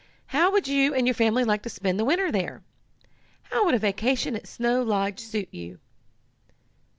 How would you and your family like to spend the winter there? How would a vacation at Snow Lodge suit you?"